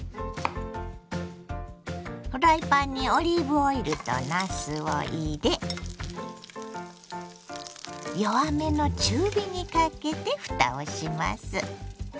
フライパンにオリーブオイルとなすを入れ弱めの中火にかけてふたをします。